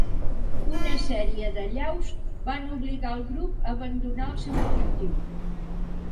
Una sèrie d'allaus van obligar el grup a abandonar el seu objectiu.